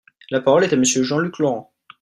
La parole est à Monsieur Jean-Luc Laurent.